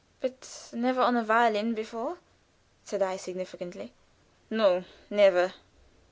"But never on a violin before?" said I, significantly. "No, never."